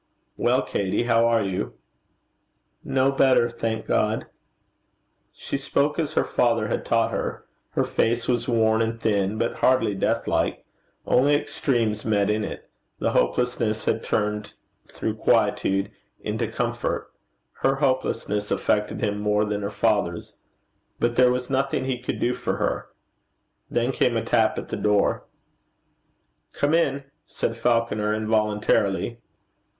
'Well, Katey, how are you?' 'No better, thank God.' She spoke as her father had taught her. Her face was worn and thin, but hardly death like. Only extremes met in it the hopelessness had turned through quietude into comfort. Her hopelessness affected him more than her father's. But there was nothing he could do for her. There came a tap at the door. 'Come in,' said Falconer, involuntarily.